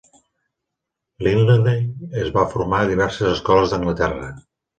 Linley es va formar a diverses escoles d'Anglaterra.